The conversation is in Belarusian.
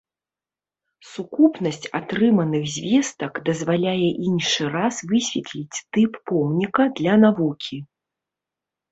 Сукупнасць атрыманых звестак дазваляе іншы раз высветліць тып помніка для навукі.